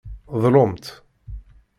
Dlumt.